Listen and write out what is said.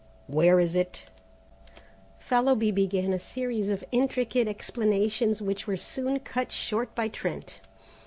"Where is it?" Fallowby began a series of intricate explanations, which were soon cut short by Trent.